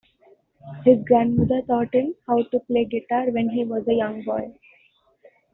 His grandmother taught him how to play guitar when he was a young boy.